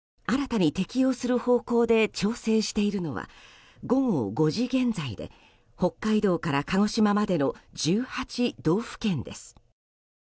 新たに適用する方向で調整しているのは午後５時現在で北海道から鹿児島までの１８道府県です。